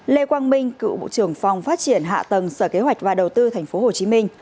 lê quang minh cựu bộ trưởng phòng phát triển hạ tầng sở kế hoạch và đầu tư tp hcm